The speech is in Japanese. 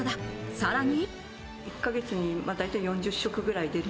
さらに。